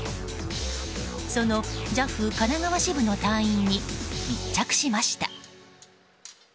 そのＪＡＦ神奈川支部の隊員に密着しました。